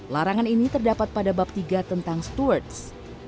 larangan ini terdapat pada bab tiga tentang stewards